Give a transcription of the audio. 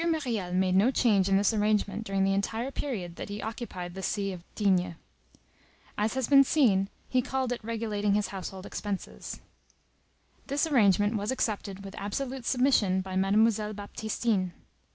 Myriel made no change in this arrangement during the entire period that he occupied the see of D—— As has been seen, he called it regulating his household expenses. This arrangement was accepted with absolute submission by Mademoiselle Baptistine.